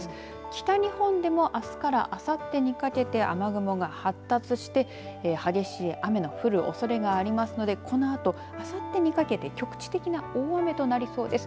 北日本でもあすからあさってにかけて雨雲が発達して激しい雨の降るおそれがありますのでこのあとあさってにかけて局地的な大雨となりそうです。